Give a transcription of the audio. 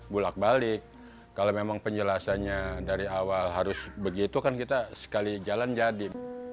bulat balik kalau memang penjelasannya dari awal harus begitu kan kita sekali jalan jadi